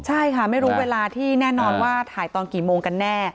ใช่ค่ะไม่รู้เวลาที่แน่นอนว่าถ่ายตอนกี่โมงกันแน่